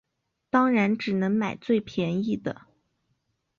当然只能买最便宜的